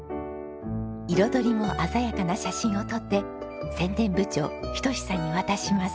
彩りも鮮やかな写真を撮って宣伝部長仁さんに渡します。